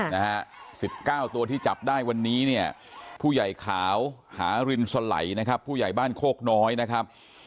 นะฮะ๑๙ตัวที่จับได้วันนี้ผู้ใหญ่ขาวหานสลัยผู้ใหญ่บ้านโคกน้อยนะครับ